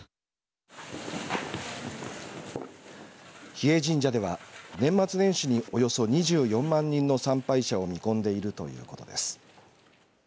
日枝神社では、年末年始におよそ２４万人の参拝者を見込んでいるということです。